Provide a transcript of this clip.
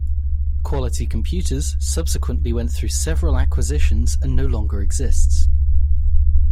Quality Computers subsequently went through several acquisitions and no longer exists.